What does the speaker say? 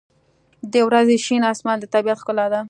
• د ورځې شین آسمان د طبیعت ښکلا ده.